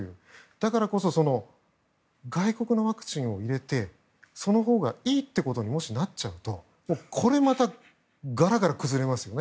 だからこそ外国のワクチンを入れてそのほうがいいということにもしなっちゃうとこれまたガラガラ崩れますよね。